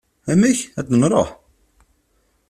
Amek? ad nruḥ ?